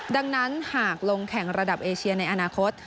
ดังนั้นหากลงแข่งระดับเอเชียในอนาคต